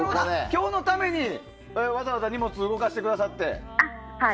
今日のためにわざわざ荷物を動かしてくださって。